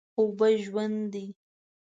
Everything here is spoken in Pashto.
اوبه ژوند دي.